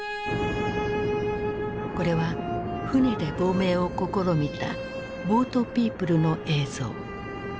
これは船で亡命を試みた「ボートピープル」の映像。